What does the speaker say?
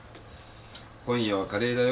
今夜はカレーだよ。